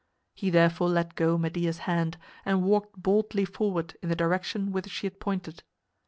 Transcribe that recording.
He therefore let go Medea's hand and walked boldly forward in the direction whither she had pointed.